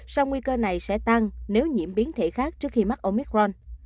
sau nguy cơ này sẽ tăng nếu nhiễm biến thể khác trước khi mắc omicron